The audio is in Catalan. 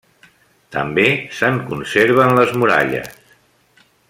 També se'n conserven les muralles.